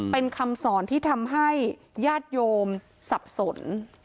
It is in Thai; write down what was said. เป็นคำสอนที่ทำให้ญาติโยมสับสน